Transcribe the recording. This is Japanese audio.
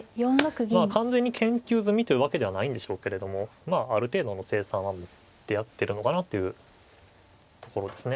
完全に研究済みというわけではないんでしょうけれどもまあある程度の成算は持ってやってるのかなというところですね。